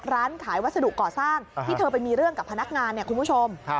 ร้านขายวัสดุก่อสร้างที่เธอไปมีเรื่องกับพนักงานเนี่ยคุณผู้ชม